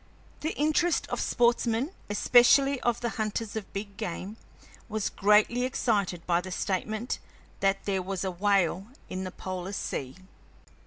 The interest of sportsmen, especially of the hunters of big game, was greatly excited by the statement that there was a whale in the polar sea.